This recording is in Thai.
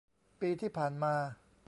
ปีที่ผ่านมา